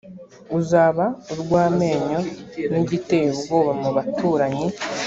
azaba urw amenyo n igiteye ubwoba mu baturanyi